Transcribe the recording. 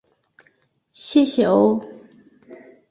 谢谢哦